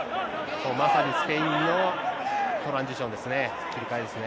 まさにスペインのトランジションですね、切り替えですね。